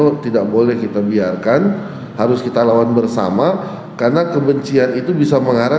itu tidak boleh kita biarkan harus kita lawan bersama karena kebencian itu bisa mengarah